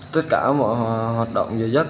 tất cả mọi hoạt động giới dất